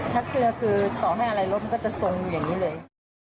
ถ้าเชื่อคือต่อให้อะไรรถมันก็จะทรงอย่างนี้เลย